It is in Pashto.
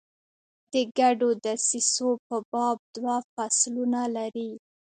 د ګډو دسیسو په باب دوه فصلونه لري.